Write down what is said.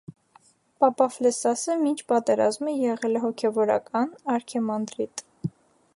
Պապաֆլեսասը մինչ պատերազմը եղել է հոգևորական՝ արքեմանդրիտ։